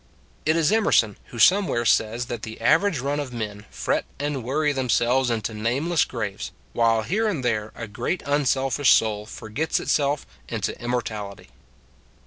It is Emerson who somewhere says that the average run of men fret and worry themselves into nameless graves, while here and there a great unselfish soul for gets itself into immortality.